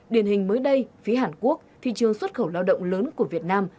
điển hình mới đây phía hàn quốc thị trường xuất khẩu lao động lớn của việt nam